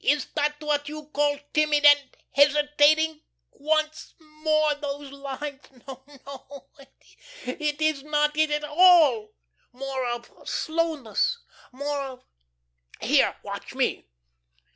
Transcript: "Is that what you call timid and hesitating? Once more, those lines.... No, no. It is not it at all. More of slowness, more of Here, watch me."